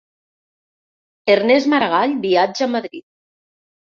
Ernest Maragall viatja a Madrid